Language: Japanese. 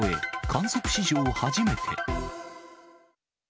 観測史上初めて。